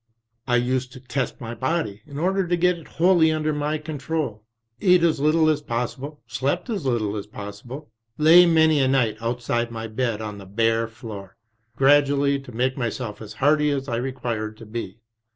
I used to test my body, in order to get it wholly under my control, ate as little as possible, slept as little as possible, lay many TRANSITIONAL YEARS 105 a night outside my bed on the bare floor, gradually to make myself as hardy as I required to be.